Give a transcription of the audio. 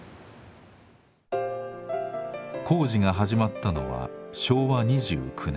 工事が始まったのは昭和２９年。